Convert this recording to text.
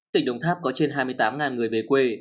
tỉnh đồng tháp có trên hai mươi tám người về quê